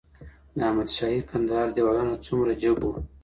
د احمد شاهي کندهار دیوالونه څومره جګ وو؟